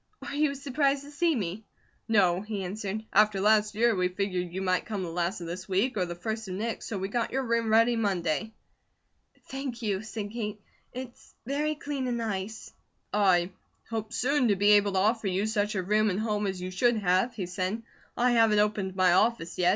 "Are you surprised to see me?" "No," he answered. "After last year, we figured you might come the last of this week or the first of next, so we got your room ready Monday." "Thank you," said Kate. "It's very clean and nice." "I hope soon to be able to offer you such a room and home as you should have," he said. "I haven't opened my office yet.